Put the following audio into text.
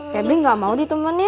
pebi tidak mau ditemani